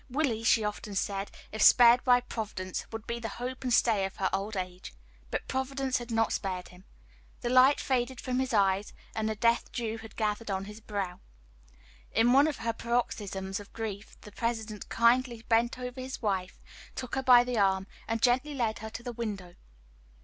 Willie, she often said, if spared by Providence, would be the hope and stay of her old age. But Providence had not spared him. The light faded from his eyes, and the death dew had gathered on his brow. In one of her paroxysms of grief the President kindly bent over his wife, took her by the arm, and gently led her to the window.